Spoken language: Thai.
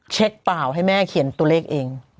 เปล่าให้แม่เขียนตัวเลขเอง